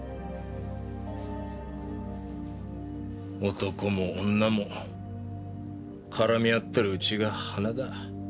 男も女も絡み合ってるうちが花だ。